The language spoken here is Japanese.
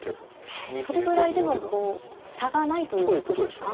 ええそれぐらいでもこう差がないということですか。